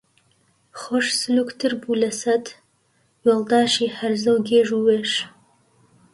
خۆش سلووکتر بوو لە سەد وێڵداشی هەرزە و گێژ و وێژ